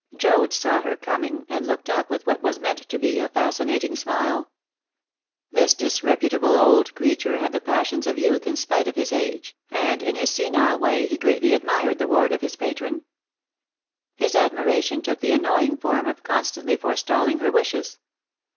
Joad saw her coming, and looked up with what was meant to be a fascinating smile. This disreputable old creature had the passions of youth in spite of his age, and in his senile way he greatly admired the ward of his patron. His admiration took the annoying form of constantly forestalling her wishes.